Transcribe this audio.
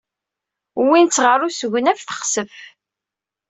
Wwin-tt ɣer usegnaf texsef.